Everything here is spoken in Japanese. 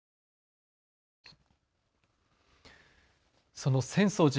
その浅草寺。